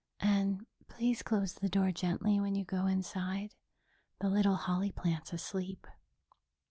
And please close the door gently when you go inside. The little holly plant's asleep."